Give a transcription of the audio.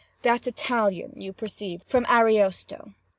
"That's Italian, you perceive—from Ariosto.